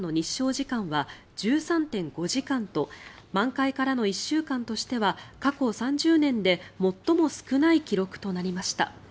時間は１３．５時間と満開からの１週間としては過去３０年で最も少ない記録となりました。